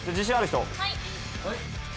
はい。